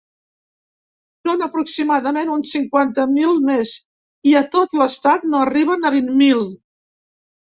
Són aproximadament uns cinquanta mil més, i a tot l’estat no arriben a vint mil.